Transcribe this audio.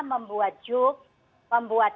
membuat juk membuat